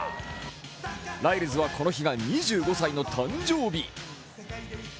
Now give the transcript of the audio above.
ライルズはこの日が２５歳の誕生日。